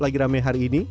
lagi rame hari ini